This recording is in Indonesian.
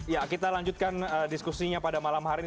ya kita lanjutkan diskusinya pada malam hari ini